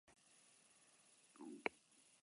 Halere, beste primate batzuen ohitura da ere.